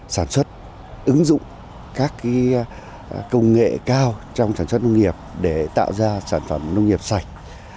sản xuất ứng dụng các công nghệ cao trong sản xuất nông nghiệp để tạo ra sản phẩm nông nghiệp sạch